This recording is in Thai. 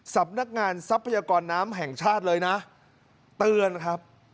สำนักงานทรัพยากรน้ำแห่งชาติเลยนะเตือนครับ